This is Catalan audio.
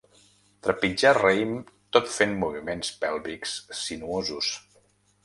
Trepitjar raïm tot fent moviments pèlvics sinuosos.